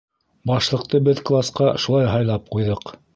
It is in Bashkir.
Башлыҡты беҙ класҡа шулай һайлап ҡуйҙыҡ.